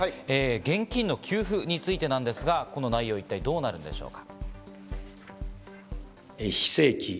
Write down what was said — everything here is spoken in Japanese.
現金の給付についてですが、この内容、一体どうなるんでしょうか。